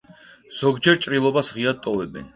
ზოგჯერ ჭრილობას ღიად ტოვებენ.